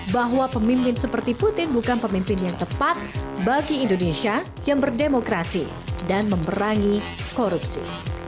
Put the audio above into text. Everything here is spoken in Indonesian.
bahwa pemimpin seperti putin bukan pemimpin yang tepat bagi indonesia yang berdemokrasi dan memerangi korupsi